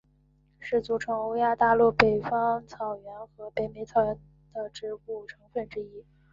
是组成欧亚大陆北方草原和北美草原的植物成分之一。